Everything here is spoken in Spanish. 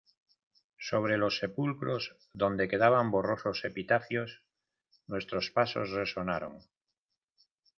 sobre los sepulcros, donde quedaban borrosos epitafios , nuestros pasos resonaron.